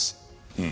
うん。